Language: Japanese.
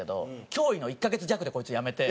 驚異の１カ月弱でこいつ辞めて。